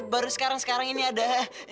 baru sekarang sekarang ini ada